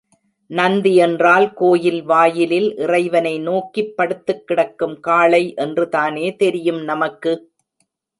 நந்தி என்றால் கோயில் வாயிலில் இறைவனை நோக்கிப் படுத்துக் கிடக்கும் காளை என்றுதானே தெரியும் நமக்கு.